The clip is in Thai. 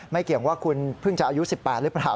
เกี่ยงว่าคุณเพิ่งจะอายุ๑๘หรือเปล่า